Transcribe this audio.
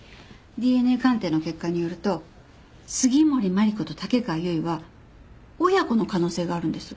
ＤＮＡ鑑定の結果によると杉森真梨子と竹川由衣は親子の可能性があるんです。